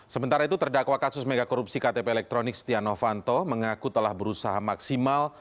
sementara itu terdakwa kasus megakorupsi ktp elektronik setia novanto mengaku telah berusaha maksimal